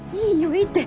いいって。